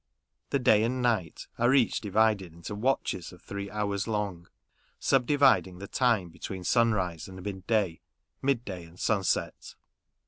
The day and night are each divided into " watches " of three hours long ; subdividing the time between sunrise and mid day, mid day and sunset.